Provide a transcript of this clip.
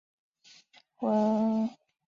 文昌航天发射场即位于龙楼镇境内。